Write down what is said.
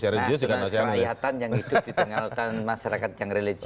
ya sekerahyatan yang hidup di tengah tengah masyarakat yang religius